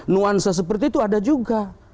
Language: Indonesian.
nuansa seperti itu ada juga